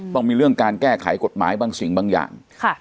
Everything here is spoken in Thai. ต้องมีเรื่องการแก้ไขกฎหมายบางสิ่งบางอย่าง